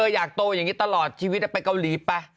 อยากโตอย่างนี้ตลอดชีวิตไปเกาหลีไป